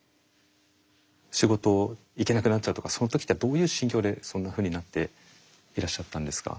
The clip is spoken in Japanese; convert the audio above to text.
仕事行けなくなっちゃったとかその時ってどういう心境でそんなふうになっていらっしゃったんですか？